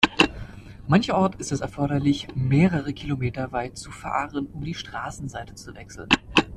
Mancherorts ist es erforderlich mehrere Kilometer weit zu fahren, um die Straßenseite zu wechseln.